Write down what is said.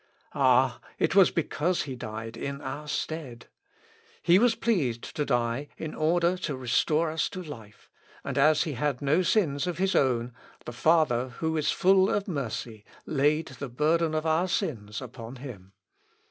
Ah! it was because he died in our stead. He was pleased to die in order to restore us to life, and as he had no sins of his own, the Father, who is full of mercy, laid the burden of our sins upon him.